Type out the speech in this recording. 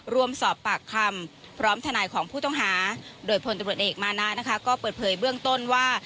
รวมสอบปากคำพร้อมทนายของผู้ต้องหาโดยพลตำรวจเอกมานะนะคะก็เปิดเผยเบื้องต้นว่า